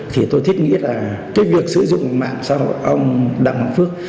thì tôi thích nghĩ là việc sử dụng mạng xã hội ông đảng đăng phước